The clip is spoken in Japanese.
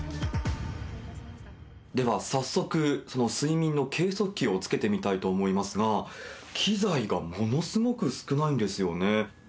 では早速、その睡眠の計測器をつけてみたいと思いますが、機材がものすごく少ないんですよね。